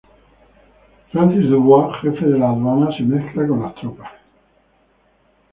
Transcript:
Francis Dubois, jefe de las aduanas, se mezcla con las tropas.